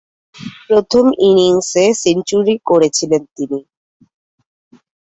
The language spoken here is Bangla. প্রথম ইনিংসে সেঞ্চুরি করেছিলেন তিনি।